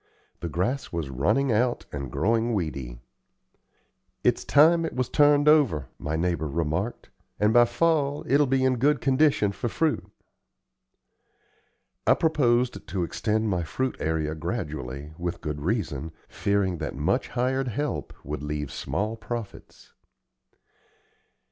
The grass was running out and growing weedy. "It's time it was turned over," my neighbor remarked; "and by fall it'll be in good condition for fruit." I proposed to extend my fruit area gradually, with good reason, fearing that much hired help would leave small profits.